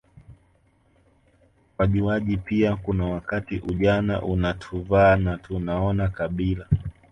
wajuaji pia kuna wakati ujana unatuvaa na tunaona kabila